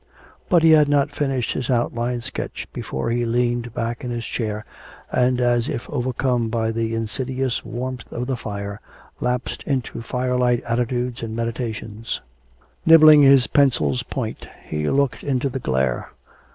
But he had not finished his outline sketch before he leaned back in his chair, and as if overcome by the insidious warmth of the fire, lapsed into firelight attitudes and meditations. Nibbling his pencil's point, he looked into the glare.